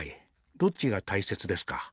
どっちが大切ですか。